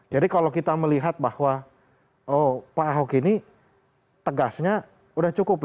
jadi kalau kita melihat bahwa oh pak ahok itu sudah kelewatan